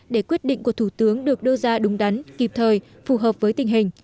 để quyết định của thủ tướng được đưa ra đúng đắn kịp thời phù hợp với tình hình